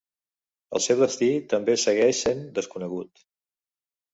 El seu destí també segueix sent desconegut.